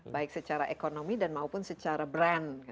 baik secara ekonomi dan maupun secara brand